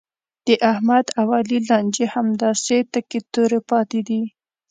د احمد او علي لانجې همداسې تکې تورې پاتې دي.